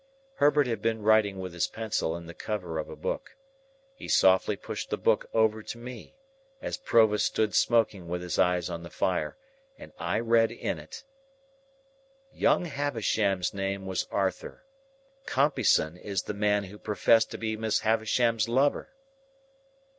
Herbert had been writing with his pencil in the cover of a book. He softly pushed the book over to me, as Provis stood smoking with his eyes on the fire, and I read in it:— "Young Havisham's name was Arthur. Compeyson is the man who professed to be Miss Havisham's lover."